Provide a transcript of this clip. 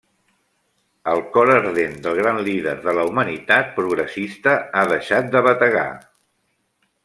El cor ardent del gran líder de la humanitat progressista ha deixat de bategar.